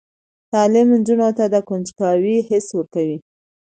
تعلیم نجونو ته د کنجکاوۍ حس ورکوي.